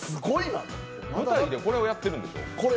舞台でこれをやってるんでしょ？